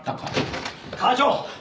課長！